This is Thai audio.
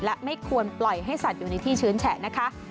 และไม่ควรปล่อยให้สัตว์อยู่ในที่ชื้นแฉะนะคะ